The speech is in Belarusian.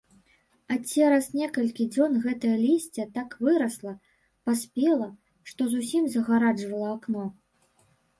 А цераз некалькі дзён гэтае лісце так вырасла, паспела, што зусім загараджвала акно.